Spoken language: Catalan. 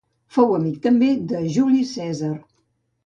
Fou també amic de Juli Cèsar.